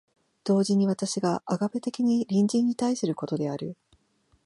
同時に私がアガペ的に隣人に対することである。